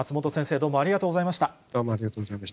どうもありがとうございまし